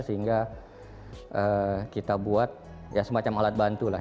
sehingga kita buat semacam alat balik